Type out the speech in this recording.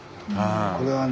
これはね